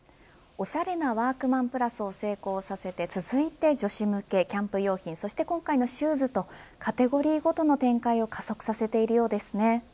おしゃれなワークマンプラスを成功させて続いて女子向け、キャンプ用品そして今回のシューズとカテゴリーごとの展開を加速させているようですね。